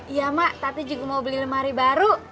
iya ma tati juga mau beli lemari baru